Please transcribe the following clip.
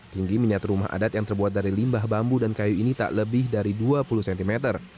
tinggi minat rumah adat yang terbuat dari limbah bambu dan kayu ini tak lebih dari dua puluh cm